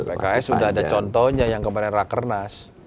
pks sudah ada contohnya yang kemarin rakernas